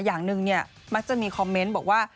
อย่างหนึ่งเนี่ยมักจะมีคอมเมนต์บอกว่า